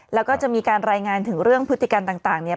แล้วก็จะมีการรายงานถึงเรื่องพฤติกรรมต่างเนี่ย